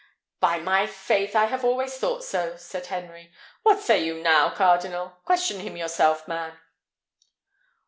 "By my faith, I have always thought so," said Henry. "What say you now, cardinal? Question him yourself, man."